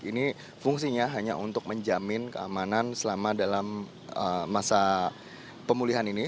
ini fungsinya hanya untuk menjamin keamanan selama dalam masa pemulihan ini